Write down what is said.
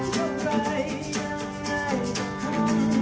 ขอบใจได้อะไร